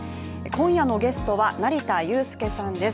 今夜のゲストは成田悠輔さんです。